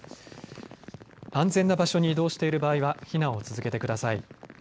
安全な場所に移動している場合は避難を続けてください。